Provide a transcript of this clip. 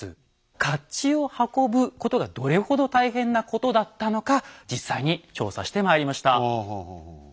甲冑を運ぶことがどれほど大変なことだったのか実際に調査してまいりました。